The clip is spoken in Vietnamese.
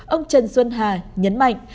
ông trần xuân hà nhấn mạnh